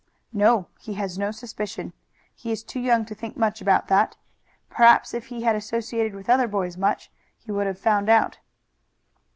"No, he has no suspicion. He is too young to think much about that. Perhaps if he had associated with other boys much he would have found out."